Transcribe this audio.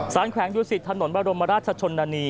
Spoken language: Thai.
สารแข็งยุศิษย์ถนนบรมราชชนนานี